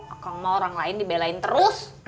aku mau orang lain dibelain terus